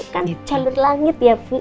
kan jalur langit ya